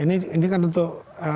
ini kan untuk